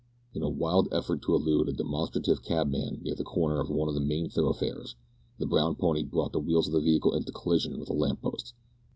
In a wild effort to elude a demonstrative cabman near the corner of one of the main thoroughfares, the brown pony brought the wheels of the vehicle into collision with a lamp post.